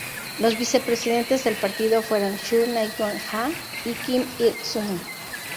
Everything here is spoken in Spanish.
Los vicepresidentes del partido fueron Chu Nyong-ha y Kim Il-sung.